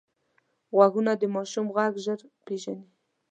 غوږونه د ماشوم غږ ژر پېژني